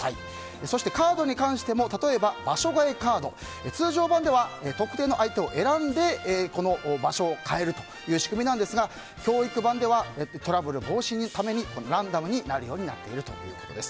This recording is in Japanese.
そして、カードに関しても場所がえカード通常版では特定の相手を選んでこの場所を変えるという仕組みなんですが「教育版」ではトラブル防止のためにランダムになるようになっているということです。